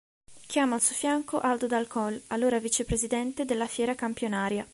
Chiama al suo fianco Aldo Dal Col, allora vicepresidente della Fiera Campionaria.